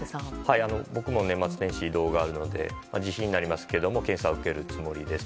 僕も年末年始移動があるので自費になりますが検査を受けるつもりです。